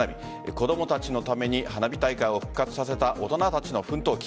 子供たちのために花火大会を復活させた大人たちの奮闘記。